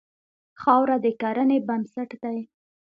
خاوره د کرنې بنسټ دی.